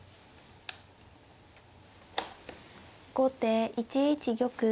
後手１一玉。